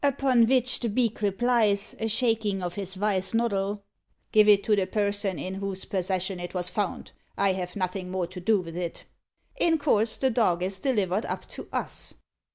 Upon vich, the beak replies, a shakin' of his vise noddle, 'Give it to the person in whose persession it was found. I have nuffin' more to do vith it.' In course the dog is delivered up to us."